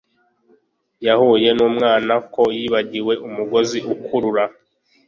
yahuye numwana ko yibagiwe umugozi ukurura